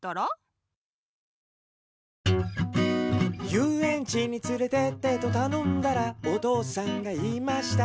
「遊園地につれてってとたのんだらお父さんが言いました」